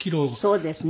そうですね。